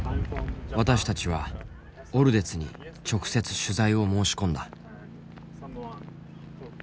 私たちはオルデツに直接取材を申し込んだ。